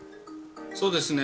そうですね